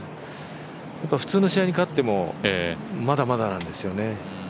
普通の試合に勝っても、まだまだなんですよね。